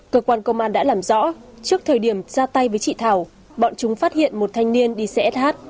cơ quan công an đã làm rõ trước thời điểm ra tay với chị thảo bọn chúng phát hiện một thanh niên đi xe sh